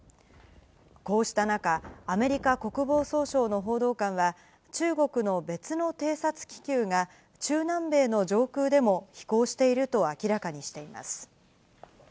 こうした中、アメリカ国防総省の報道官は、中国の別の偵察気球が、中南米の上空でも飛行していると明らかにしています。